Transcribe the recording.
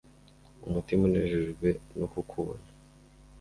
umutima unejejwe no kukubona